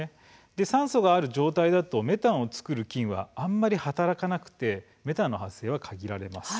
酸素がある状態ですとメタンを作る菌はあまり働かなくてメタンの発生は限られます。